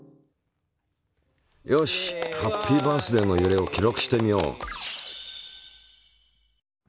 よし「ハッピーバースディ」のゆれを記録してみよう。